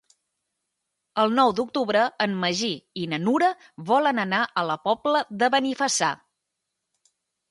El nou d'octubre en Magí i na Nura volen anar a la Pobla de Benifassà.